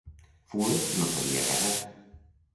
Fuller no s'havia casat.